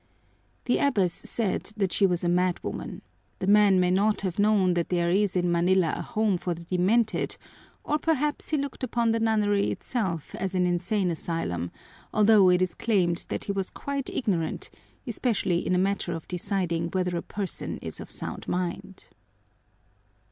The abbess said that she was a madwoman. The man may not have known that there is in Manila a home for the demented; or perhaps he looked upon the nunnery itself as an insane asylum, although it is claimed that he was quite ignorant, especially in a matter of deciding whether a person is of sound mind.